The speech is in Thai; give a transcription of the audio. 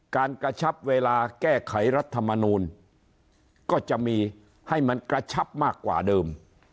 กระชับเวลาแก้ไขรัฐมนูลก็จะมีให้มันกระชับมากกว่าเดิม